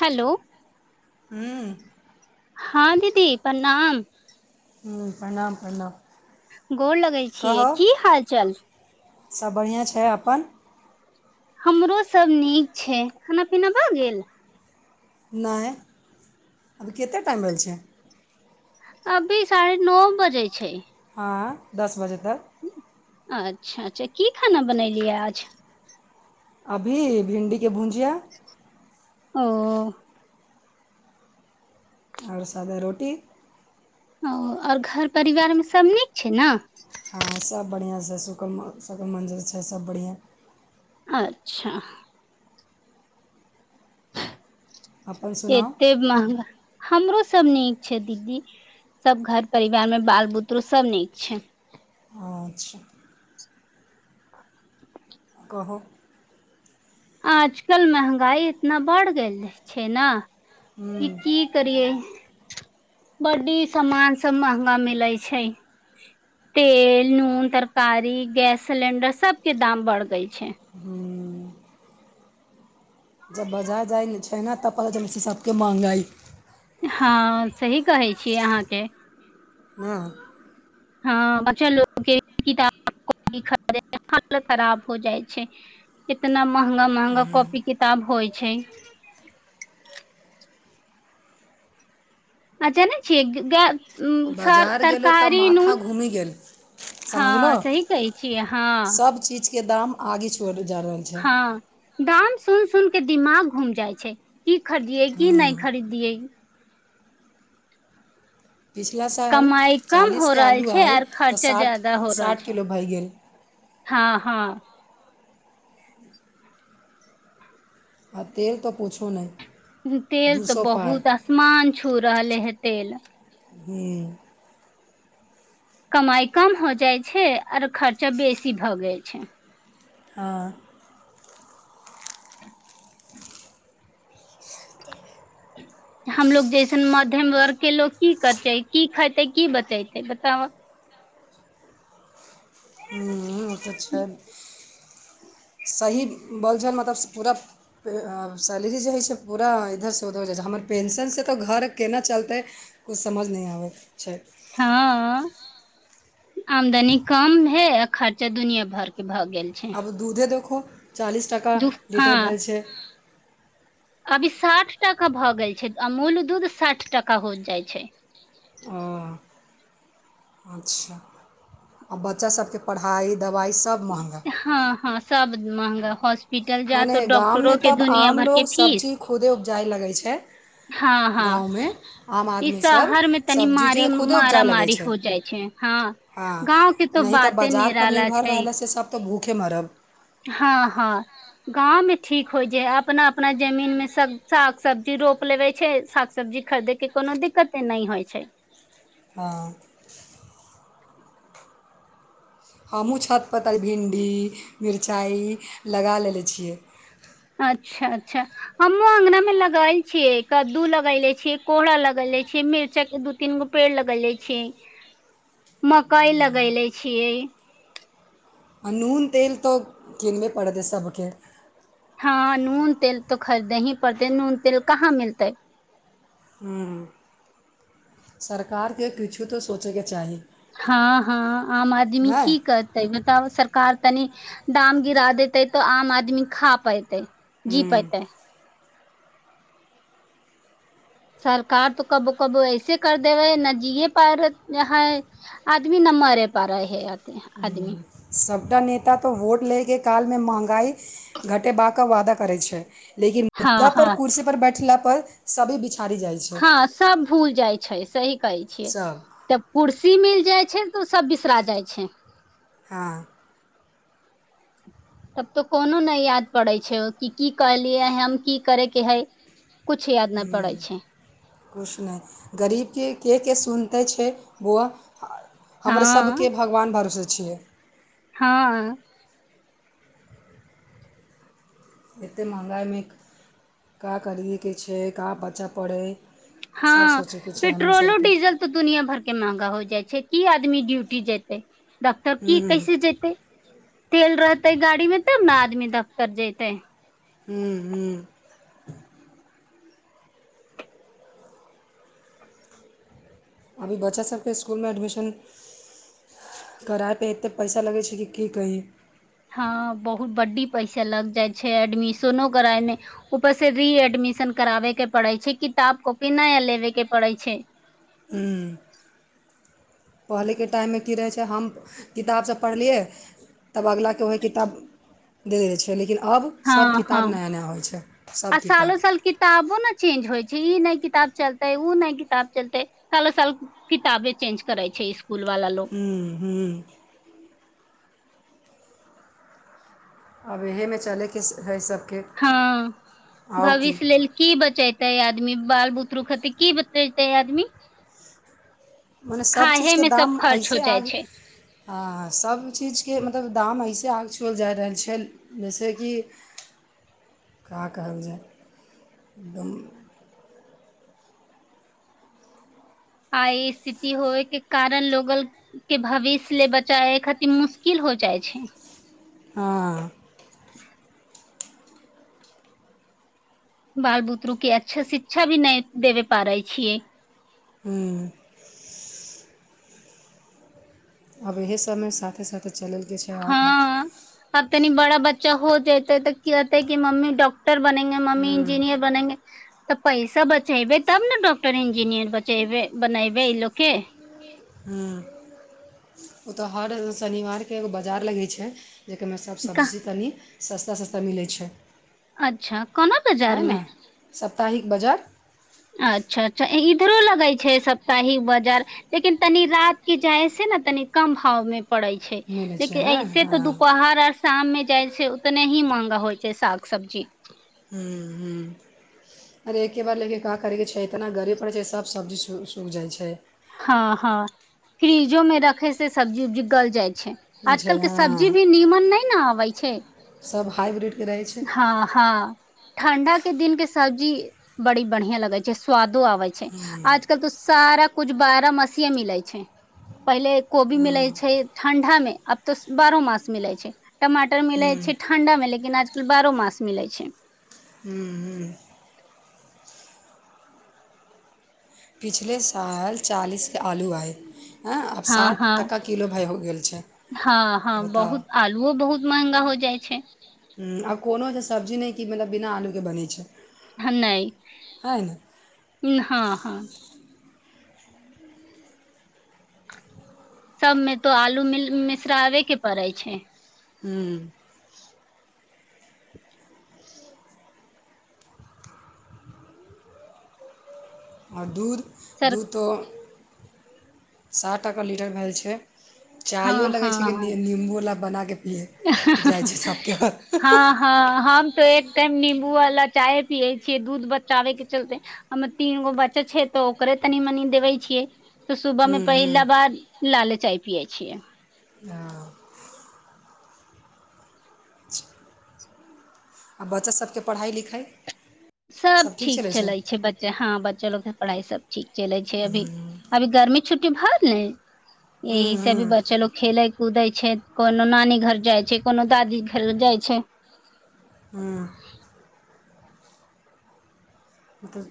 Hello ह्म हँ दीदी प्रणाम प्रणाम प्रणाम गोर लगै छियै कहौ की हाल चाल सब बढ़िआँ छै अपन हमरोसभ नीक छै खाना पीना भए गेल नहि अभी कतेक टाइम भेल छै अभी साढ़े नौ बजे छै हँ दस बजे तक अच्छा अच्छा की खाना बनेलियै आज अभी भिण्डीके भुजिया ओ और सादा रोटी ओ और घर परिवारमे सब नीक छै ने हँ सब बढ़िआँ शकल शकल मजिर छै सब बढ़िआँ [unintelligible] अच्छा अपन सुनाउ एते महगा हमरो सब नीक छै दीदी सब घर परिवार मे बाल बुतरू सब नीक छै अच्छा [inaudible] कहु आजकल महंगाई इतना बढ़ गेल छै ने कि की करिए बड्डी सामान सब महंगा मिलै छै तेल नून तरकारी गैस सिलेंडर सब के दाम बढ़ गई छै हू जब बजा जाइ छै नेऽ तऽ पता चलै छै सबके महंगाइ हँ सही कहै छीय अहाँके हं हँ बच्चा लोग के किताब कौपी खरिदय मे भारत खराब हो जाइ छै कितना महंगा महंगा कॉपी किताब होइ छै अ जानै छियै ग [unintelligible] ह्म बाजार गेलहुँ तऽ तरकारी माथा नून घूमि गेल हँ समझलहुँ सही कहै छिय हँ के दाम आगि छुअल जा रहल छै हँ दाम सुन सुन के दिमाग घूम जाइ छै की खरीदिये की नहि खरीदिये पिछला साल कमाई कम चालीस हो के रहल आलू छै रहै आर त खर्चा साठ जादा हो रहल साठ छै किलो भए गेल हँ हँ आ तेल तऽ पूछु नहि तेल दू तऽ सौ पार बहुत आसमान छू रहले हे तेल हू कमाइ कम हो जाइत छै आर खर्चा बेसी भऽ गेल छै हँ हमलोग जैसन मध्यम वर्गके लोग की करतै की खेतै की बचेतै बताउ ह तऽ छै सही बोलछ मतलब पूरा सैलरी जे होइ छै पूरा इधरसँ उधर हो जाइ छै हमर पेंशनसँ तऽ घर केना चलतै किछु समझ नहि आबै छै हँ आमदनी कम हेय खर्चा दुनिया भर के भग अब दूधे देखो चालीस टाका दू हँ लीटर भेल छै अभी साठि टाका भऽ गेल छै अमूल दूध साठि टाका हो जाइ छै ओ अच्छा आ बच्चा सभके पढ़ाइ दबाइ सब महँगा हँ हँ सब महंगा हॉस हॉस्पिटल जा तऽ मने डॉक्टरो गाममे के दुनिया भरके फीस सब जाइ लगै छै हँ हँ गाँवमे आम ई आदमी सब शहर मे तनि सब्जी जे मारी है खुदे उपजाए लगै मारामारी छै हो जाइ छै हँ हँ गाँव के तो नहि बाते निराला छै के मारब हँ हँ गाँवमे ठीक होइ जे हइ अपना अपना जमीनमे साग सब्जी रोप लेबै छै साग सब्जी खरीदयके कोनो दिक्कते नहि होइ छै हँ हमहूँ छत प तै भिंडी मिरचाइ लगा लेने छियै अच्छा अच्छा हमहुँ अंगना मे लगायल छियै कद्दू लगैले छियै कोहरा लगैले छीयै मिरचाई के दू तीन गो पेड़ लगैले छियै मकई लगैले छियै आ नून तेल तऽ किनबे पड़तै सभके हँ नून तेल तो खरीदने ही पड़तेै नून तेल कहाँ मिलतै ह सरकारके किछु तऽ सोचैके चाही हँ हँ आम आदमी नहि की करतै बताब सरकार तनी दाम गिरा देते तऽ आम आदमी खा पेते जी हूँ पायतै सरकार तो कबो कब ऐसे कर दे रहे है न जीयए पा रहै आदमी न मरे पा रहे है आदमी सभ नेता तऽ वोट लैके कालमे महगाइ घटेबाके वादा करै छै लेकिन हँ मुद्दा पर हँ कुर्सी पर बैठे लाप पर सभी बिचार हँ सब भूल जाइ छै सही कहै छियै सब तब कुर्सी मिल जाइ छै त सब बिसरा जाइ छै हँ तब तो कोनो नहि याद पड़ै छै कि की कहलियै हम की करयके हइ ह्म कुछ नहि गरीबके के के सुन तैऽ छै बौआ ह हमर हँ सबके भगवान भरोसे छै हँ एते महँगाइमे का करिये के छै का बच्चा पड़य हँ पेट्रोलो डीजल तऽ दुनिया भर के महगा हो जाइ छै की आदमी ड्यूटी जेतै डक्टर की कैसे जते तेल रहते गाड़ी में तब ने आदमी दर्जतै ह्म ह्म अभी बच्चासभके स्कुल मे एडमिशन करायपे एते पैसा लगै छै कि की कही हँ बहुत बड्डी पैसा लग जाइ छै एडमिशनो करायमे ऊपर से री एडमिशन कराबे के पड़ै छै किताब कॉपी नया लेबे के पड़ै छै ह्म पहिले के टाइम मे की रहे हम किताब सब पढ़ ली यइ तब अग्ला के ओहे किताब दे दइ छिइ लेकिन अब सभ हँ किताब हँ नया नया होइ छै सभ आ किताब सालो साल किताबो ने चेंज होइ छै ई नहि किताब चलते ओ नहि किताब चलते सालो साल किताबे चेंज करे छै इस ह्म्म ह्म आब इहेमे चलये के हइ सभ हँ भविष्य लेल की बचेतेै आदमी बाल बुद रु खति की बचेतै आदमी [unintelligible] मने खाहे सभचीजके मे सब दाम खर्च हो अइसे आ जाइ ग छै हँ सभचीजके मतलब दाम अइसे आग छुअल जा रहल छै जइसेक कि का कहल जाय एकदम आइ स्थिति होयके कारण लोगल के भविष्य ले बचाबै खातिर मुश्किल हो जाइ छै हँ बाल बुतरू के अच्छा शिक्षा भी नहि देबे पारै छियै ह्म आब इहे सभमे साथे साथे चलेलके छै अहाँक हँ अब तनी बड़ा बच्चा हो जेतै तऽ कियतइ कि मम्मी डॉ टर बनेंगे मम्मी हूँ इंजीनियर बनेंगे तऽ पैसा बचेबे तब ने डॉक्टर इंजीनियर बचेबे बनैबई इ लोक के हम्म ओतऽ हर शनिवारके एगो बाजार लगै छै जेकमे सब सब्जी तनी सस्ता सस्ता मिलै छै अच्छा कोना बाजारमे सप्ताहिक बजार अच्छा अच्छा इधरो लगै छै सप्ताही बाजार लेकिन तनी रात के जाय से ने तनि कम भाव मे पड़ै छै मिलै छै लेकिन हँ ऐसे तऽ हँ दुपहर आर शाममे जाइ छै उतने ही महंगा होइ छै साग सब्जी हम्म हम्म अरे ऐके बार लेकिन का करेके छै इतना गारी पड़ै छै सब सब्जी सूखि जाइ छै हँ हँ फ्रिजो में रखे से सब्जी उब्जी गल जाइ छै आजकल के सब्जी हँ भी नीमन नै ने आबै छै सभ हाइब्रिडके रहै छै हँ हँ ठण्डा के दिन के सब्जी बड़ी बढ़िया लगै छै स्वाद स्वादो अबै छै आज कल त सारा कुछ बारह मसीेए मिलै छै पहिले कोबी मिलै छै ठंडा मे आब तऽ बारहो मांस मिलै छै टमाटर मिल ह्म्म छैह ठण्डा में लेकिन ज बारहो मांस मिलै छै ह्म्म ह्म्म पिछले साल चालीसके आलू अइ हँ हँ छै हँ हँ बताउ बहुत आलुओ बहुत महंगा हो जाइ छै आ कोनो ए सब्जी नहि कि मतलब बिना आलूके बनै छै ह नहि हइ ने हँ हँ सभमे तो आलू मिश्राबेके पड़ै छै हम्म [inaudible] और दूध सर दूध तो सए टके लीटर भेल छैय हँ चायो लगै हँ छैय की नंबू बला बनाके हँ हँ हम तऽ त नमबू वाला चााय पिये छियै दूध बचाबे के चलते हम तीन गो बच्चे छै तऽ ओकरे तनी मनी देवै छियै तऽ सुबहमें हूँ हूँ पहिला बार लाले चाय पियए छिय हँ आ बच्चासभके पढ़ाइ लिखाइ सब ठीक चलै छैय बच्च हँ बच्चा लोग के पढ़ाई सब ठीक चलैत छैय अभी अभी घरमे छुटी भर ने हूँ एहि से हूँ भी बच्चा लोग खेलै कूदै छैय। कोनो नानी घर जाइ छैय कोनो दादी घर जाइ छैय हँ मतलब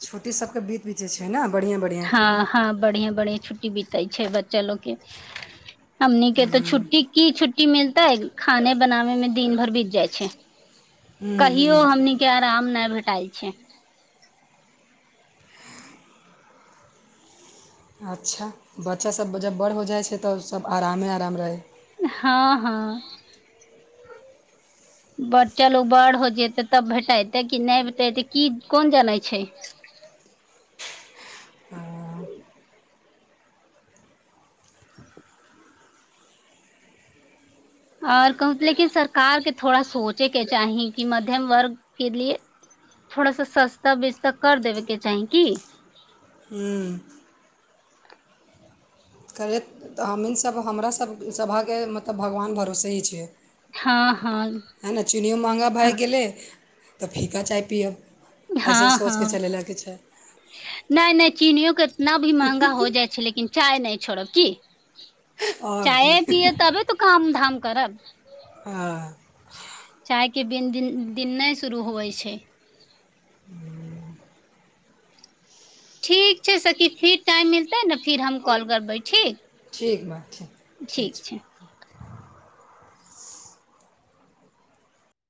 छोटी सबके बीत बीत जे छैय ने बढ़िआँ बढ़िआँ हँ हँ बढ़िया बढ़िया छुटी बी तै छैय बच्चा लोगके अम्मी के तऽ छुट्टी की छू रु्टी मिलतय खाने बनाबे में दिन भर बीत जाइ छैय। कहियो हमनी के आराम नहि भेठ चइ छैय अच्छा बच्चा सब जब बड़ हो जाइ छैय तऽ सब आरामे आराम रहै हँ हँ बड़ चलू बड़ हो जतै तब भेटयतै कि नहि भेटेतै की कोन जानै छैय हँ और कह लेकिन सरकार के थोड़ा सोचे के चाही कि मध्यम वर्ग के लिए थोड़ा सा सस्ता बेस्ता कर देबे के चाही की करैतऽ हमीसभ हमरास सभके मतलब भगवान भरोसे ही छियै हँ हँ ह ने चीनियो महँगा भ गेलै तऽ फीका चाय पियब अइसन हँ सोचि कऽ हँ चलय लएके छै नहि नहि चीनियो के न अभी महँगा हो जाइ छैय लेकिन चाय नहि छोड़ब की आओर की चाय पियए तबे तऽ काम धाम करब हँ चाय के बिन दिन दिन नहि शुरू होइ छैय ठीक छैय सखी फिर टाइम मिलतै ने फिर हम कॉल करबै ठीक ठीक बात ठीक ठीक छै